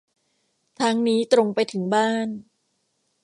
ทางนี้ตรงไปถึงบ้าน